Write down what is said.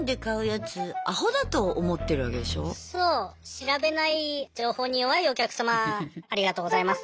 調べない情報に弱いお客様ありがとうございます。